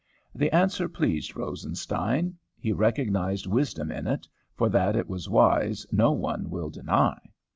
"The answer pleased Rosenstein. He recognized wisdom in it; for that it was wise no one will deny.